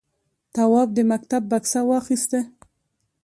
تواب د مکتب بکسه واخیسته.